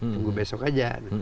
tunggu besok aja